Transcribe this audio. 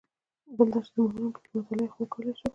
بل دا چې زه معمولاً په کې مطالعه یا خوب کولای شم.